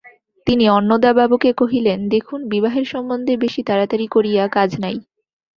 তিনি অন্নদাবাবুকে কহিলেন, দেখুন, বিবাহের সম্বন্ধে বেশি তাড়াতাড়ি করিয়া কাজ নাই।